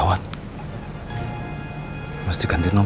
ya pokoknya jangan